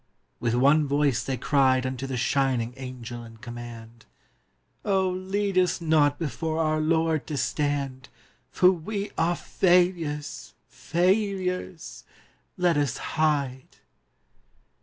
With one voice they cried Unto the shining Angel in command: 'Oh, lead us not before our Lord to stand, For we are failures, failures! Let us hide.